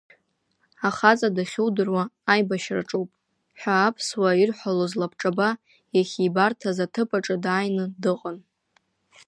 Ахаҵа дахьудыруа аибашьраҿоуп ҳәа аԥсуаа ирҳәалоз лабҿаба иахьибарҭаз аҭыԥ аҿы дааины дыҟан.